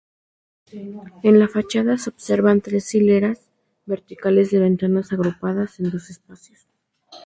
En la fachada se observan tres hileras verticales de ventanas agrupadas en dos espacios.